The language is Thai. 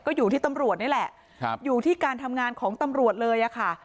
ก็อยู่ที่ตำรวจนี่แหละอยู่ที่การทำงานของตำรวจเลยอะค่ะ